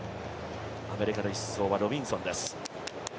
アメリカの１走はロビンソンです。